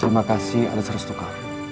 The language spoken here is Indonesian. terima kasihada cerstuka